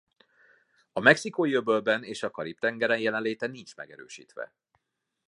A Mexikói-öbölben és a Karib-tengeren jelenléte nincs megerősítve.